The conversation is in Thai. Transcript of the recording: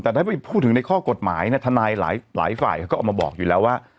แต่ถ้าไปพูดถึงในข้อกฎหมายเนี่ยทนายหลายฝ่ายเขาก็ออกมาบอกอยู่แล้วว่า